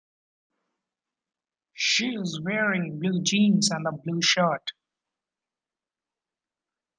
She is wearing blue jeans and a blue shirt.